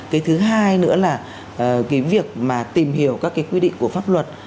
cái thứ hai nữa là cái việc mà tìm hiểu các cái quy định của pháp luật